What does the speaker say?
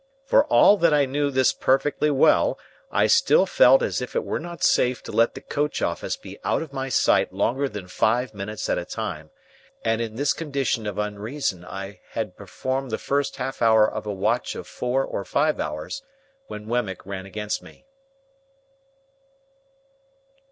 For all that I knew this perfectly well, I still felt as if it were not safe to let the coach office be out of my sight longer than five minutes at a time; and in this condition of unreason I had performed the first half hour of a watch of four or five hours, when Wemmick ran against me.